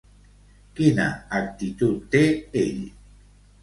Quina actitud té ell?